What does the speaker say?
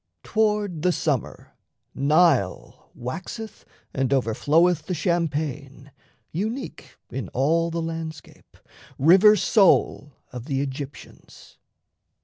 Toward the summer, Nile Waxeth and overfloweth the champaign, Unique in all the landscape, river sole Of the Aegyptians.